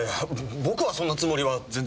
僕はそんなつもりは全然。